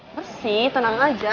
lo sih tenang aja